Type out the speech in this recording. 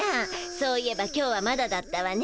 そういえば今日はまだだったわね。